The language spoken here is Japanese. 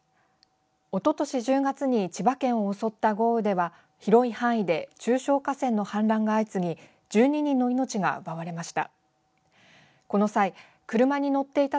おととし１０月に千葉県を襲った豪雨では広い範囲で中小河川の氾濫が相次ぎ１２人の命が奪われました。